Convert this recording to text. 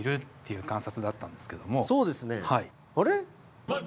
そうですね。